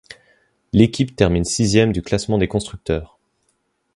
L'équipe termine sixième du classement des constructeurs.